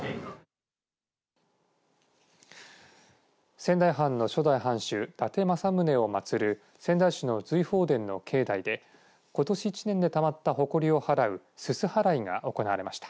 仙台藩の初代藩主伊達政宗を祭る仙台市の瑞鳳殿の境内でことし１年でたまった、ほこりを払うすす払いが行われました。